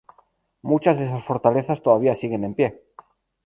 Muchas de esas fortalezas todavía siguen en pie.